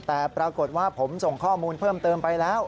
แต่ปรากฏว่าผมส่งข้อมูลเพิ่มเติมไปแล้ว